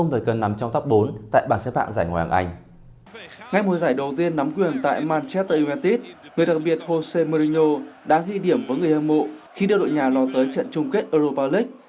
ngay mùa giải đầu tiên nắm quyền tại manchester united người đặc biệt jose mourinho đã ghi điểm với người hâm mộ khi đưa đội nhà lò tới trận chung kết europa league